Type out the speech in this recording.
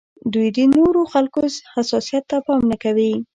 دوی د نورو خلکو حساسیت ته پام نه کوي.